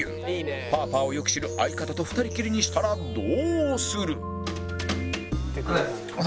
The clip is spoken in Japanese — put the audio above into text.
パーパーをよく知る相方と２人きりにしたらどうする？